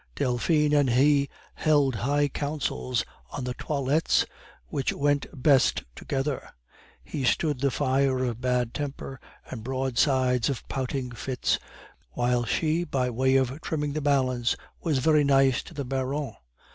Delphine and he held high councils on the toilettes which went best together; he stood the fire of bad temper and broadsides of pouting fits, while she, by way of trimming the balance, was very nice to the Baron.